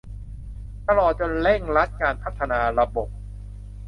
ตลอดจนเร่งรัดการพัฒนาระบบ